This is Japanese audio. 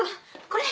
これ！